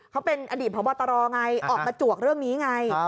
เขาเป็นอดีตพบตรไงออกมาจวกเรื่องนี้ไง